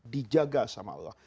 dijaga sama allah